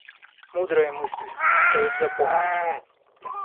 Мудрая мысль, стоит запомнить.